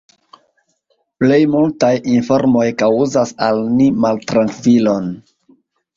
Plej multaj informoj kaŭzas al ni maltrankvilon.